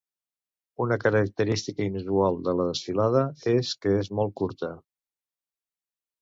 Una característica inusual de la desfilada és que és molt curta.